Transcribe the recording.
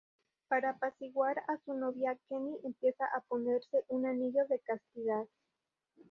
Para apaciguar a su novia, Kenny empieza a ponerse un anillo de castidad.